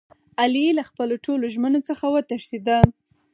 علي له خپلو ټولو ژمنو څخه و تښتېدا.